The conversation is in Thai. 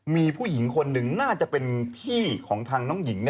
มีผู้หญิงคนหนึ่งน่าจะเป็นพี่ของทางน้องหญิง